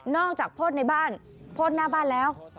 จากโพดในบ้านโพดหน้าบ้านแล้ว